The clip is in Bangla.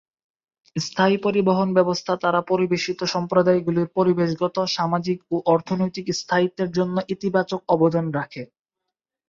স্থায়ী পরিবহন ব্যবস্থা তারা পরিবেশিত সম্প্রদায়গুলির পরিবেশগত, সামাজিক ও অর্থনৈতিক স্থায়িত্বের জন্য ইতিবাচক অবদান রাখে।